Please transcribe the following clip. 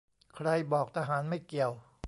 ใครบอกทหารไม่เกี่ยว